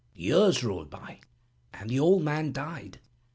Years rolled away, and the old man died.